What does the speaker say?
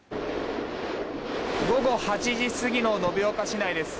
午後８時過ぎの延岡市内です。